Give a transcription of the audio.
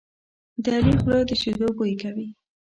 د علي خوله د شیدو بوی کوي.